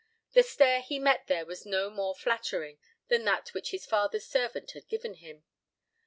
The stare he met there was no more flattering than that which his father's servant had given him.